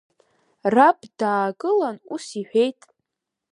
Раб даагылан ус иҳәеит…